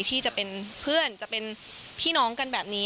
ที่จะเป็นเพื่อนจะเป็นพี่น้องกันแบบนี้